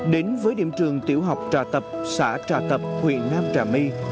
đến với điểm trường tiểu học trà tập xã trà tập huyện nam trà my